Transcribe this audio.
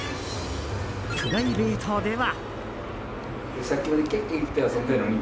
プライベートでは。